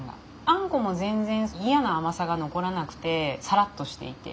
あんこも全然嫌な甘さが残らなくてサラッとしていて。